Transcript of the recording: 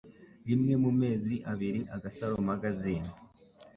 rimwe mu mezi abiri Agasaro Magazine